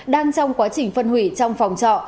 đang trong quá trình phân hủy trong phòng trọ